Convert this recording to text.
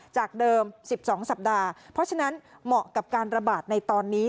จากเดิม๑๒สัปดาห์เพราะฉะนั้นเหมาะกับการระบาดในตอนนี้